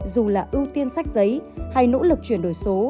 dù là ưu tiên sách giấy hay nỗ lực chuyển đổi số